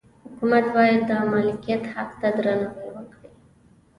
حکومت باید د مالکیت حق ته درناوی وکړي.